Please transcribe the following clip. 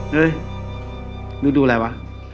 เฮ้ยดูอะไรวะ